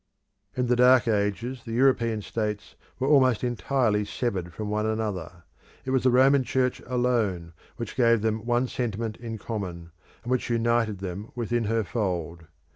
In the Dark Ages the European States were almost entirely severed from one another; it was the Roman Church alone which gave them one sentiment in common, and which united them within her fold.